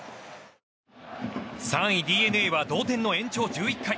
３位、ＤｅＮＡは同点の延長１１回。